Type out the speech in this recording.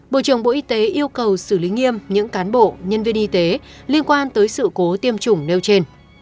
bộ trưởng bộ y tế yêu cầu xử lý nghiêm những cán bộ nhân viên y tế liên quan tới sự cố tiêm chủng nêu trên